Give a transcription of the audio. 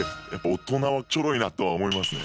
大人はチョロいなとは思いますね。